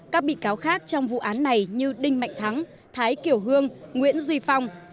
các bị cáo khác trong vụ án này như đinh mạnh thắng thái kiều hương nguyễn duy phong